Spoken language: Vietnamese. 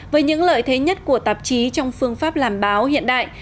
với những lợi thế nhất của tạp chí trong phương pháp làm báo hiện đại